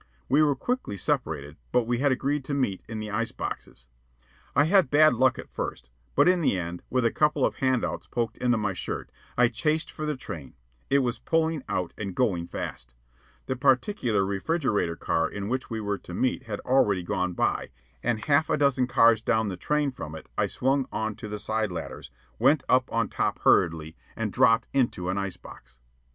We were quickly separated; but we had agreed to meet in the ice boxes. I had bad luck at first; but in the end, with a couple of "hand outs" poked into my shirt, I chased for the train. It was pulling out and going fast. The particular refrigerator car in which we were to meet had already gone by, and half a dozen cars down the train from it I swung on to the side ladders, went up on top hurriedly, and dropped down into an ice box.